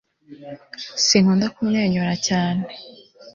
sinkunda kumwenyura cyane